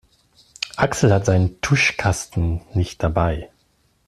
Axel hat seinen Tuschkasten nicht dabei.